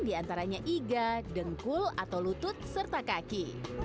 diantaranya iga dengkul atau lutut serta kaki